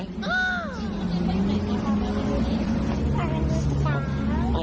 อ๋ออยากดูสาว